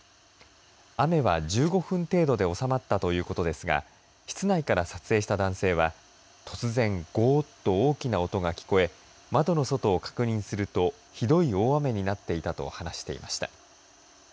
雨は１５分程度で収まったということですが室内から撮影した男性は突然、ゴーっと大きな音が聞こえ窓の外を確認するとひどい大雨になっていたと話していました。